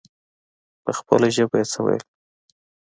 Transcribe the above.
په خپله ژبه يې څه ويل.